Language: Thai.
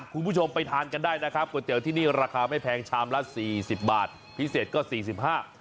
คุณผู้ชมไปทานกันได้นะครับก๋วยเตี๋ยวที่นี่ราคาไม่แพงชามละสี่สิบบาทพิเศษก็สี่สิบห้า